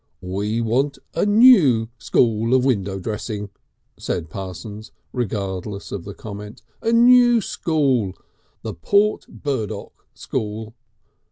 "We want a new school of window dressing," said Parsons, regardless of the comment. "A New School! The Port Burdock school.